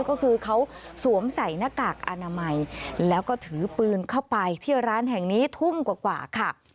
ก็คือเขาสวมใส่หน้ากากอนามัยแล้วก็ถือปืนเข้าไปที่ร้านแห่งนี้ทุ่มกว่าค่ะ